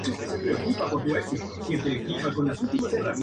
Se puede destacar que es el primer canal llamado en la legua nativa guaraní.